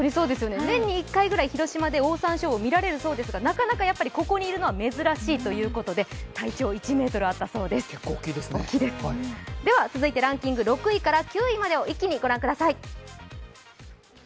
年に１回ぐらい広島でオオサンショウウオみられるそうですがなかなかここにいるのは珍しいということで体長１ｍあったそうです、大きいです続いてランキング６位から９位までを一気に御覧ください。